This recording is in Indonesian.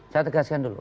saya tegaskan dulu